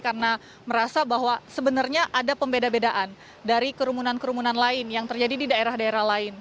karena merasa bahwa sebenarnya ada pembeda bedaan dari kerumunan kerumunan lain yang terjadi di daerah daerah lain